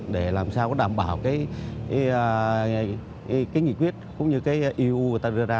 để làm sao có đảm bảo cái nghị quyết cũng như cái eu người ta đưa ra